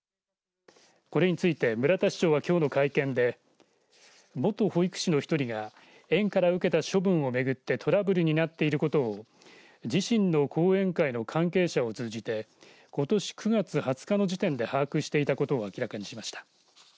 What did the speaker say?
これについて村田市長はきょうの会見で元保育士の１人が園から受けた処分を巡ってトラブルになっていることを自身の後援会の関係者を通じてことし９月２０日の時点で把握していたことを明らかにしました。